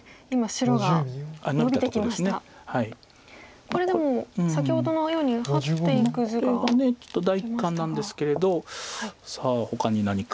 この手がちょっと第一感なんですけれどさあほかに何か。